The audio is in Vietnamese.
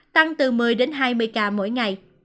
tăng từ một mươi hai mươi ca mỗi ngày